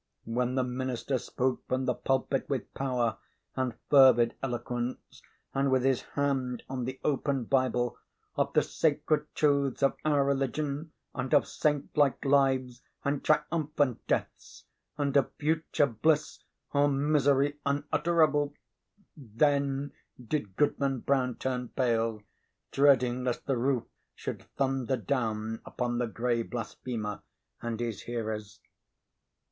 When the minister spoke from the pulpit with power and fervid eloquence, and, with his hand on the open Bible, of the sacred truths of our religion, and of saint like lives and triumphant deaths, and of future bliss or misery unutterable, then did Goodman Brown turn pale, dreading lest the roof should thunder down upon the gray blasphemer and his hearers.